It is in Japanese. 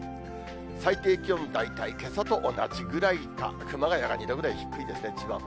最低気温、大体けさと同じくらいか、熊谷が２度ぐらい低いですね、千葉も。